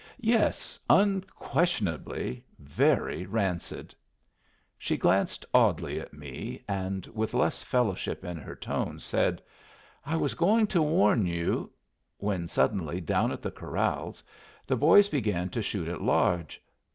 "Yes. Unquestionably. Very rancid." She glanced oddly at me, and, with less fellowship in her tone, said, "I was going to warn you " when suddenly, down at the corrals, the boys began to shoot at large.